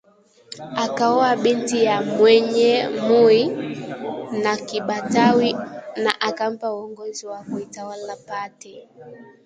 akaoa binti ya Mwenye Mui wa Kibatawi na akampa uongozi wa kuitawala Pate